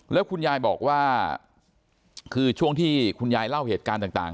แล้วคุณยายบอกว่าคือช่วงที่คุณยายเล่าเหตุการณ์ต่าง